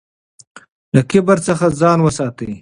له کبر څخه ځان وساتئ.